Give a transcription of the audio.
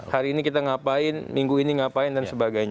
hari ini kita ngapain minggu ini ngapain dan sebagainya